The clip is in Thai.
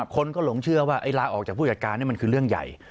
คนก็หลงเชื่อว่าลาออกจากผู้จัดการนี่มันคือเรื่องใหญ่